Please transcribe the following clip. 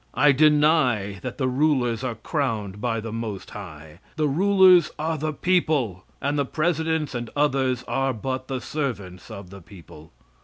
I deny that the rulers are crowned by the Most High; the rulers are the people, and the presidents and others are but the servants of the people.